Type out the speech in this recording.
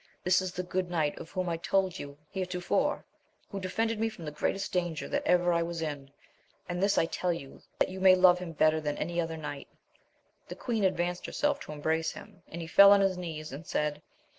— This is the good knight, of whom I told ye heretofore, who defended me from the greatest danger that ever I was in, and this I tell you that you may love him better than any other knight. The queen advanced herself to embrace him, and he fell on his knee and said.